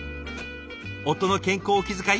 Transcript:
夫の健康を気遣い